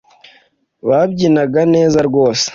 wabyinaga neza rwose